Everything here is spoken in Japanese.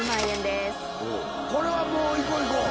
これはもういこういこう。